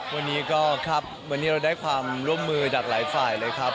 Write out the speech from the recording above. วันนี้ก็ครับวันนี้เราได้ความร่วมมือจากหลายฝ่ายเลยครับ